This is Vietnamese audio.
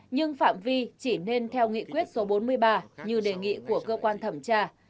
nhưng phạm vi chỉ nên theo nghị quyết số bốn mươi ba như đề nghị của cơ quan thẩm tra